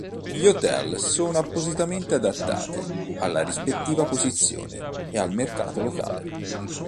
Gli hotel sono appositamente adattati alla rispettiva posizione e al mercato locale.